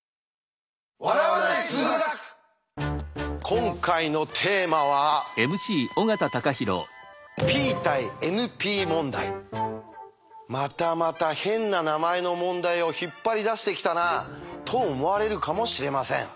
今回のテーマはまたまた変な名前の問題を引っ張り出してきたなと思われるかもしれません。